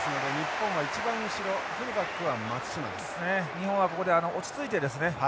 日本はここで落ち着いてですね